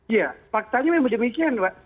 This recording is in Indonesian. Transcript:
ya faktanya memang demikian mbak